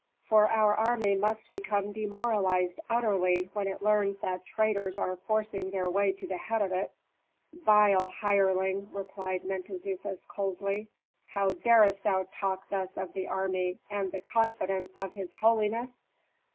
For our army must become demoralized utterly when it learns that traitors are forcing their way to the head of it." "Vile hireling," replied Mentezufis, coldly, "how darest thou talk thus of the army and the confidants of his holiness?